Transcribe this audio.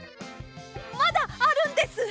まだあるんです！